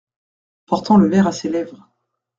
Portant le verre à ses lèvres.